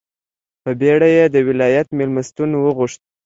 په بېړه یې د ولایت مېلمستون وغوښت.